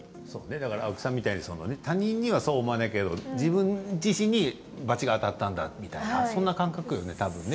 青木さんみたいに他人にはそう思わないけど自分自身にばちが当たったんだみたいなそんな感覚よね、たぶん。